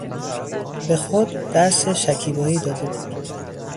به خود درس شکیبایی داده بود.